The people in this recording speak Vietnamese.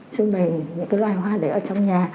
trưng bày những cái loài hoa đấy ở trong nhà